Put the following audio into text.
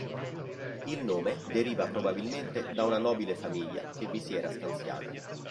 Il nome deriva probabilmente da una nobile famiglia che vi si era stanziata.